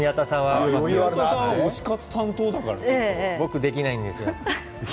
僕はできないんですよ。